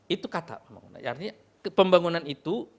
itu kata artinya pembangunan itu